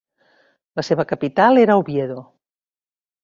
La seva capital era a Oviedo.